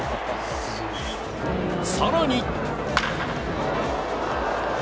更に。